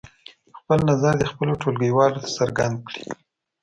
خپل نظر دې خپلو ټولګیوالو ته څرګند کړي.